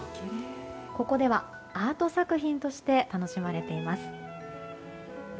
ここではアート作品として楽しまれています。